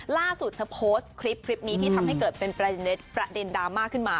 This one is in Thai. ล่าสุดเธอโพสต์คลิปนี้ที่ทำให้เกิดเป็นประเด็นดราม่าขึ้นมา